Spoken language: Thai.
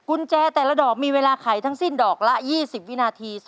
กุญแจแต่ละดอกมีเวลาไขทั้งสิ้นดอกละ๒๐วินาที